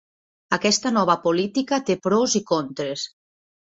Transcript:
Aquesta nova política té pros i contres.